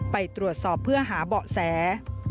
ไปตรวจสอบเพื่อหาเบาะแส